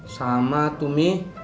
sama tuh mi